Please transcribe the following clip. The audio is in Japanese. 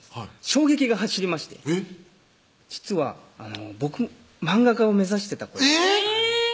衝撃が走りましてえっ実は僕漫画家を目指してたえぇ！